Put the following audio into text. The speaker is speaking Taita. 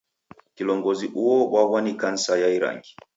Kilongozi uo obwaghwa ni kansa ya irangi.